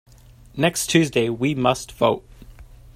Next Tuesday we must vote.